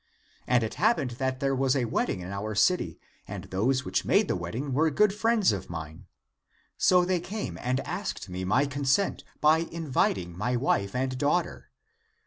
And it happened that there was a wedding in our city, and those which made the wedding were good friends of mine. So they came and asked me (my consent) by inviting my wife and daughter.